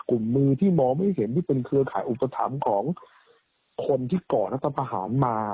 มือที่มองไม่เห็นที่เป็นเครือข่ายอุปถัมภ์ของคนที่ก่อรัฐพาหารมา